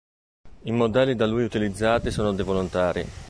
I modelli da lui utilizzati sono dei volontari.